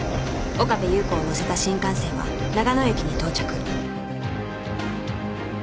岡部祐子を乗せた新幹線は長野駅に到着